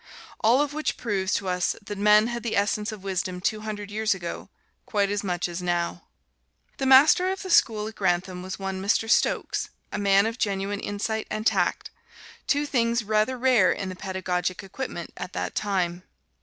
All of which proves to us that men had the essence of wisdom two hundred years ago, quite as much as now. The master of the school at Grantham was one Mr. Stokes, a man of genuine insight and tact two things rather rare in the pedagogic equipment at that time.